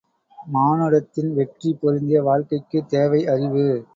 மானுடத்தின் வெற்றி பொருந்திய வாழ்க்கைக்கு தேவை அறிவு.